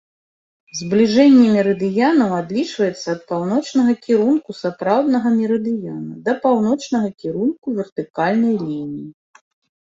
Збліжэнне мерыдыянаў адлічваецца ад паўночнага кірунку сапраўднага мерыдыяна да паўночнага кірунку вертыкальнай лініі.